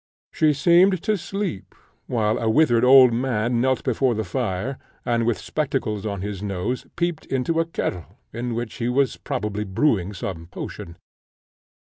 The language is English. She seemed to sleep, while a withered old man knelt before the fire, and, with spectacles on his nose, peeped into a kettle, in which he was probably brewing some potion.